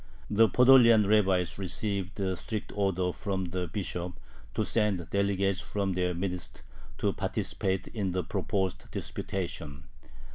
The Podolian rabbis received strict orders from the Bishop to send delegates from their midst to participate in the proposed disputation.